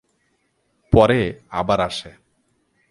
পরে আবার আসে।